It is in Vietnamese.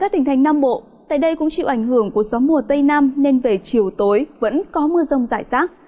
tỉnh thành nam bộ tại đây cũng chịu ảnh hưởng của gió mùa tây nam nên về chiều tối vẫn có mưa rông rải rác